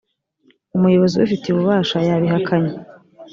umuyobozi ubifitiye ububasha yabihakanye